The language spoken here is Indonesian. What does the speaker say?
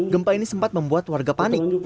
gempa ini sempat membuat warga panik